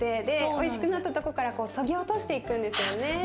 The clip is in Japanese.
でおいしくなったとこからこうそぎ落としていくんですよね。